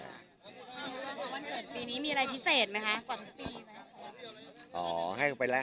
วันเกิดปีนี้มีอะไรพิเศษไหมคะกว่าทุกปีไหม